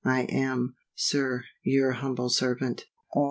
I am, Sir, Your humble servant, O.